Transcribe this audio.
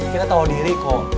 kita tau diri kum